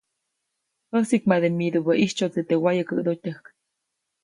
Jäsiʼkmade midubäʼ ʼitsyoʼtseʼ teʼ wayekäʼdotyäjk.